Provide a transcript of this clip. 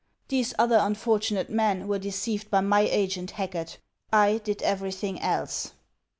These other unfortunate men were deceived by my agent, Hacket. I did everything else."